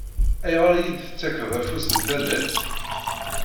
Ayɣer i iyi-d-tettakkeḍ afus n talalt?